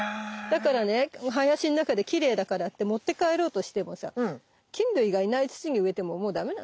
だからね林の中できれいだからって持って帰ろうとしてもさ菌類がいない土に植えてももうダメなの。